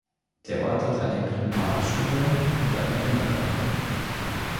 Der Ort hat eine Primarschule und einen Kindergarten.